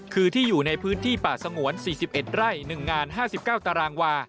คือที่อยู่ในพื้นที่ป่าสงวน๔๑ไร่๑งาน๕๙ตารางวา